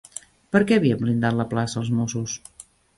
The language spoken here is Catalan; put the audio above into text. Per què havien blindat la plaça els Mossos?